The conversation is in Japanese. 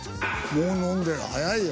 もう飲んでる早いよ。